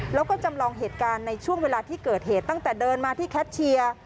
แล้วก็จำลองเหตุการณ์ในช่วงเวลาที่เกิดเหตุตั้งแต่เดินมาที่แคทเชียร์